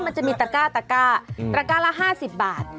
มันจะมีตะก้าตะก้าละ๕๐บาท